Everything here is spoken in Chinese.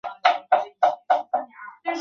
随后原微博被删除。